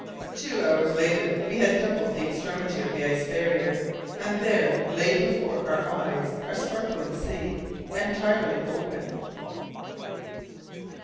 Two hours later we had doubled the extremity of the ice barrier, and there lay before our eyes a sparkling sea, entirely open.